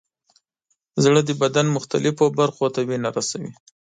زړه د بدن مختلفو برخو ته وینه رسوي.